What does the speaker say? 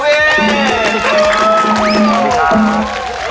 ขอบคุณครับ